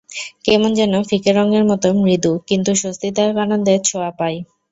কেমন যেন ফিকে রঙের মতো মৃদু কিন্তু স্বস্তিদায়ক আনন্দের ছোঁয়া পাই।